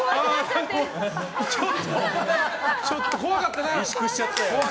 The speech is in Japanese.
ちょっと怖かったな。